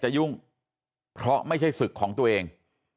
ยุ่งเพราะไม่ใช่ศึกของตัวเอง